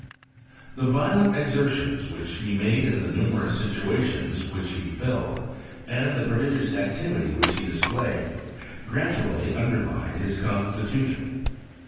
The violent exertions which he made in the nu merous situations which he iilled, and the prodi gious activity which he displayed, gradually under mmed his constitution.